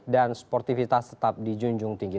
dan sportivitas tetap dijunjung tinggi